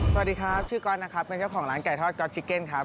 สวัสดีครับชื่อก๊อตนะครับเป็นเจ้าของร้านไก่ทอดก๊อตจิเก็นครับ